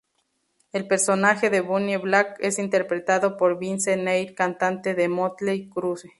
El personaje Bobbie Black es interpretado por Vince Neil, cantante de Mötley Crüe.